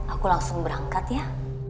aku langsung berangkat ya